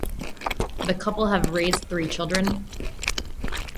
The couple have raised three children.